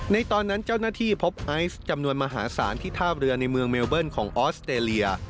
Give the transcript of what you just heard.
ในตอนนั้นเจ้าหน้าที่พบไอซ์จำนวนมหาศาลที่ท่าเรือในเมืองเมลเบิ้ลของออสเตรเลีย